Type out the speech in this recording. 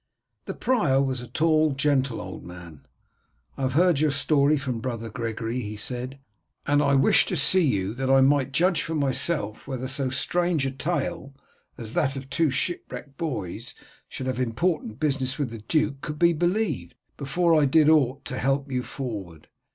The prior was a tall, gentle old man. "I have heard your story from brother Gregory," he said, "and I wished to see you that I might judge for myself whether so strange a tale, as that two shipwrecked boys should have important business with our duke, could be believed, before I did aught to help you forward.